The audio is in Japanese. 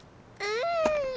うん。